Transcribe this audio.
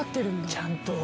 ちゃんと。